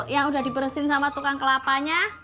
yang udah dibersihin sama tukang kelapanya